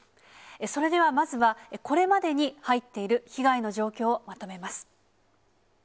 それではまずは、これまでに入っている被害の状況をまとめます。